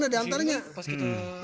belum dibayar berapa